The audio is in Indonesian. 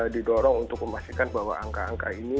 didorong untuk memastikan bahwa angka angka ini